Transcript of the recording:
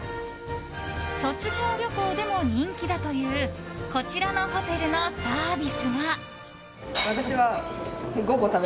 卒業旅行でも人気だというこちらのホテルのサービスが。